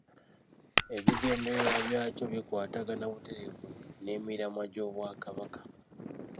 Ebigendererwa byakyo bikwatagana butereevu n’emiramwa gy’Obwakabaka.